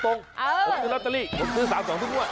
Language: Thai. ผมซื้อลัตตะลิกูซื้อ๓๒ทุ่กมวด